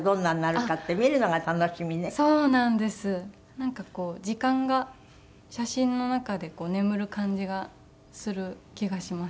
なんかこう時間が写真の中で眠る感じがする気がします。